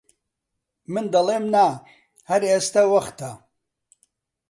من دەڵێم: نا هەر ئێستە وەختە!